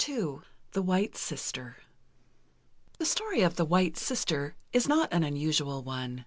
II "THE WHITE SISTER" The story of "The White Sister" is not an unusual one.